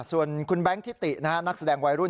ส่วนคุณแบงค์ทิตินักแสดงวัยรุ่น